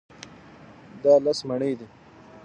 دا لس مڼې دي.